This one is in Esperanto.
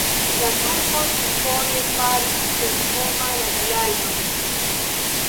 La turkoj dufoje faris senhoma la vilaĝon.